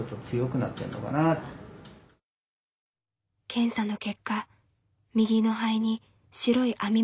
検査の結果右の肺に白い網目状の模様が。